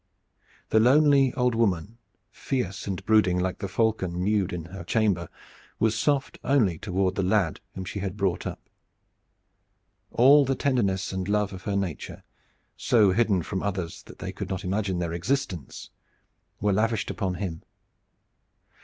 The lonely old woman, fierce and brooding like the falcon mewed in her chamber, was soft only toward the lad whom she had brought up. All the tenderness and love of her nature, so hidden from others that they could not imagine their existence, were lavished upon him.